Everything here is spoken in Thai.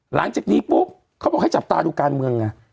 หลังจากนี้ปุ๊บเขาบอกให้จับตาดูการเมืองไง